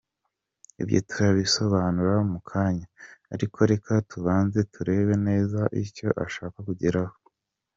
Ibyo turabisobanura mu kanya, ariko reka tubanze turebe neza icyo ashaka kugeraho.